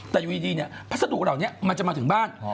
แต่อยู่ดีเนี่ยพัสดุเหล่านี้มันจะมาถึงบ้าน